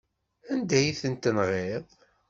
Anda ay tent-tenɣiḍ?